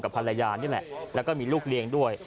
ภรรยานี่แหละแล้วก็มีลูกเลี้ยงด้วย